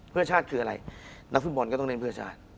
เพื่อชาติคืออะไรนักฟุตบอลก็ต้องเล่นเพื่อชาติ